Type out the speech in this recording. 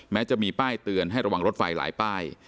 แม้จะมีป้ายเตือนให้ระวังรถไฟหลายป้าย